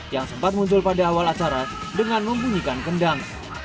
yang sempat muncul pada awal acara dengan membunyikan kendang